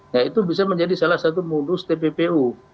nah itu bisa menjadi salah satu modus tppu